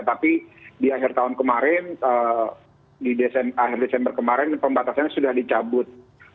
tapi di akhir tahun kemarin di akhir desember kemarin pembatasannya sudah dicabut